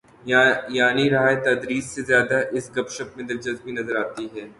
یعنی راہ تدریس سے زیادہ اس گپ شپ میں دلچسپی نظر آتی ہے۔